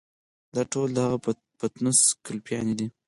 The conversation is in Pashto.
دا ټول د هغه پټنوس ګلپيانې دي.